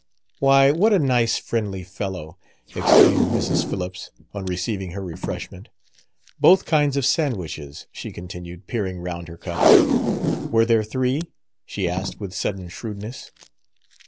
"Why, what a nice, friendly fellow!" exclaimed Mrs. Phillips, on receiving her refreshment. "Both kinds of sandwiches," she continued, peering round her cup. "Were there three?" she asked with sudden shrewdness.